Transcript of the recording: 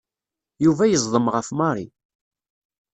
Yuba yeẓdem ɣef Mary.